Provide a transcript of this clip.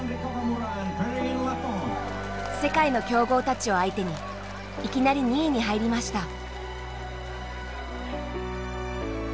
世界の強豪たちを相手にいきなり２位に入りました。